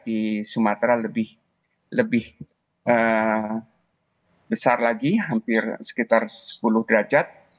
di sumatera lebih besar lagi hampir sekitar sepuluh derajat